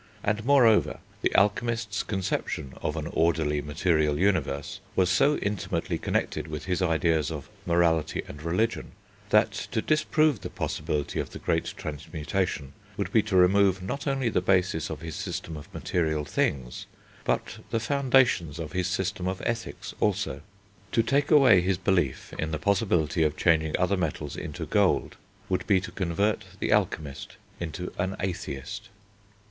And, moreover, the alchemist's conception of an orderly material universe was so intimately connected with his ideas of morality and religion, that to disprove the possibility of the great transmutation would be to remove not only the basis of his system of material things, but the foundations of his system of ethics also. To take away his belief in the possibility of changing other metals into gold would be to convert the alchemist into an atheist.